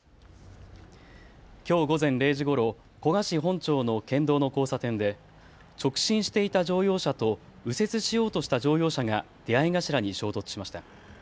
きょう午前０時ごろ、古河市本町の県道の交差点で直進していた乗用車と右折しようとした乗用車が出合い頭に衝突しました。